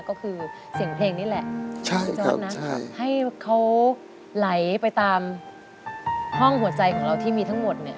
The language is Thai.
ก็คือเสียงเพลงนี่แหละพี่จอร์ดนะให้เขาไหลไปตามห้องหัวใจของเราที่มีทั้งหมดเนี่ย